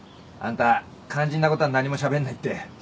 あんた肝心なことは何もしゃべんないって。